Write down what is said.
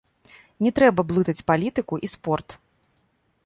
Не трэба блытаць палітыку і спорт.